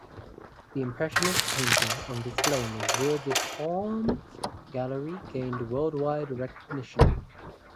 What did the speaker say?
The Impressionist paintings on display in the Jeu de Paume gallery gained worldwide recognition.